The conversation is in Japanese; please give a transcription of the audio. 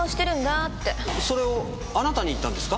それをあなたに言ったんですか？